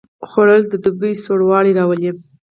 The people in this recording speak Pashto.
خوړل د دوبي سوړ والی راولي